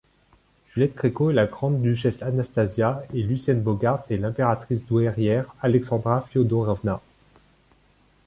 Juliette Gréco est la grande-duchesse Anastasia et Lucienne Bogaert est l'impératrice douairière Alexandra Fiodorovna.